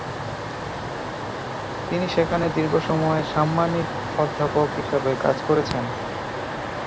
তিনি সেখানে দীর্ঘ সময় সাম্মানিক অধ্যাপক হিসাবে কাজ করেছেন।